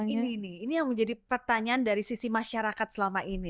ini ini yang menjadi pertanyaan dari sisi masyarakat selama ini